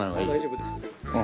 大丈夫です。